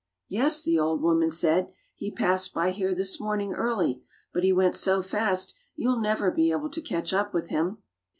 "Yes," the old woman said, "he passed by here this morning early, but he went so fast you'll never be able to catch up with him."